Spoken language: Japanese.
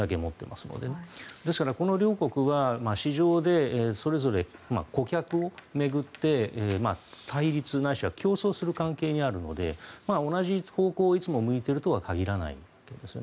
ですので、この両国は市場でそれぞれ顧客を巡って対立ないしは競争する関係にあるので同じ方向をいつも向いているとは限らないということです。